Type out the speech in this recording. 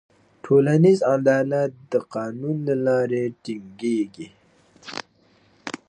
ټولنیز عدالت د قانون له لارې ټینګېږي.